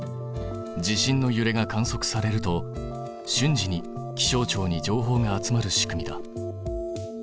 地震のゆれが観測されると瞬時に気象庁に情報が集まる仕組みだ。